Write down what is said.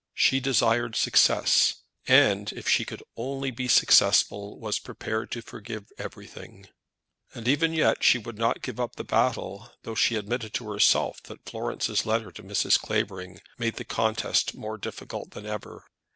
She desired success, and, if she could only be successful, was prepared to forgive everything. And even yet she would not give up the battle, though she admitted to herself that Florence's letter to Mrs. Clavering made the contest more difficult than ever.